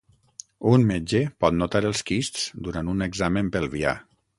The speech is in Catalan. Un metge pot notar els quists durant un examen pelvià.